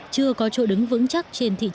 chưa có chỗ đứng vững chắc